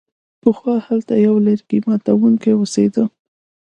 پخوا هلته یو لرګي ماتوونکی اوسیده.